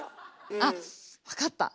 あっ分かった。